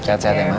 sehat sehat ya ma